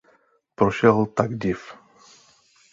Prošel tak div.